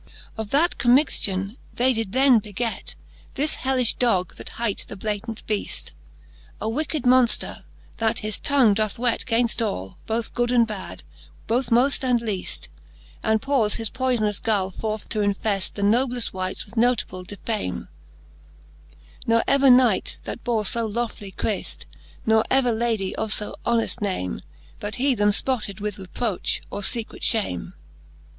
of that commixtion they did then beget This heUifli Dog, that hight the Blatant Beafi ; A wicked Monfter, that his tongue doth whet Gainft all, both good and bad, both moft and leaft, And poures his poyfnous gall forth to infeft The nobleft wights with notable defame : Ne ever Knight, that bore fo lofty creaft, Ne ever Lady of fo honeft name, But he them fpotted with reproch, or fecrete fhame.